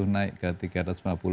naik ke rp tiga ratus lima puluh